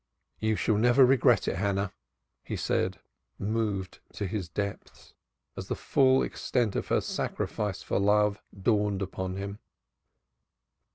"You shall never regret it, Hannah," he said, moved to his depths, as the full extent of her sacrifice for love dawned upon him.